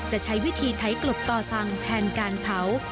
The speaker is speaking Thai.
จะใช้วิธีไถกลบต่อสั่งแทนการเผา